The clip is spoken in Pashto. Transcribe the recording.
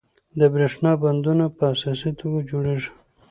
د بریښنا بندونه په اساسي توګه جوړیږي.